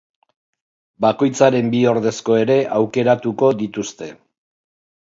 Bakoitzaren bi ordezko ere aukeratuko dituzte.